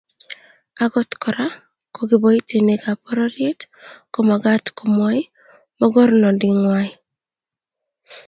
Agot Kora ko kiboitinikab pororiet komagat komwoi mogornonditngwai